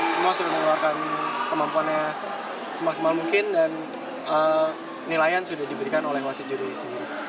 semua sudah mengeluarkan kemampuannya semaksimal mungkin dan nilaian sudah diberikan oleh wasit juri sendiri